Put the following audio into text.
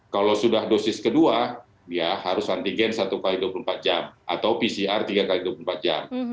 kalau sudah dosis kedua dia harus antigen satu x dua puluh empat jam atau pcr tiga x dua puluh empat jam